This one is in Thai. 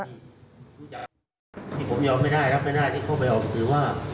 นี่ผมยอมไม่ได้ครับไม่ได้ที่เข้าไปออกสื่อว่า